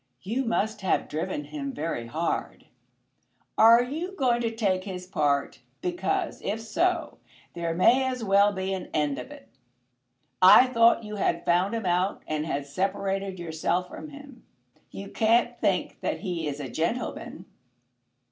"You must have driven him very hard." "Are you going to take his part? Because, if so, there may as well be an end of it. I thought you had found him out and had separated yourself from him. You can't think that he is a gentleman?"